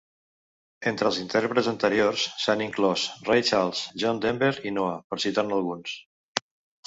Entre els intèrprets anteriors s'han inclòs Ray Charles, John Denver i Noa per citar-ne alguns.